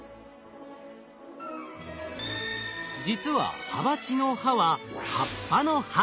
実はハバチの「ハ」は葉っぱの「葉」。